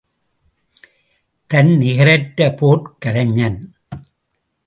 தன் நிகரற்ற போர்க் கலைஞன்.